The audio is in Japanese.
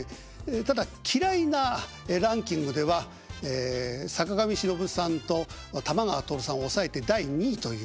ただ嫌いなランキングではえ坂上忍さんと玉川徹さんを抑えて第２位という。